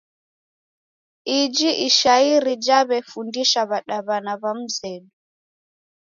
Iji ishairi jaw'efundisha w'adaw'ana w'a mzedu.